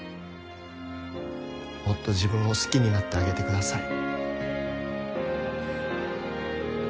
もっと自分を好きになってあげてください。